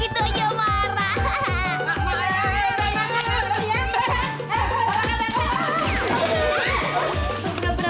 iya gitu aja marah